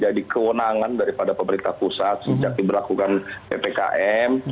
jadi kewenangan daripada pemerintah pusat sejak diberlakukan ppkm